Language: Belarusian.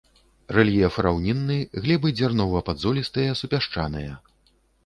Рэльеф раўнінны, глебы дзярнова-падзолістыя супясчаныя.